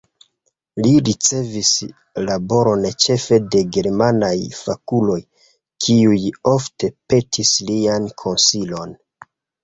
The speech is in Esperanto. Li ricevis laboron ĉefe de germanaj fakuloj, kiuj ofte petis lian konsilon.